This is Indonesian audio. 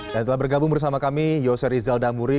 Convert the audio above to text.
dan telah bergabung bersama kami yose rizal damuri